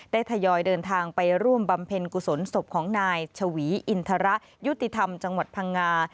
ทยอยเดินทางไปร่วมบำเพ็ญกุศลศพของนายชวีอินทรยุติธรรมจังหวัดพังงา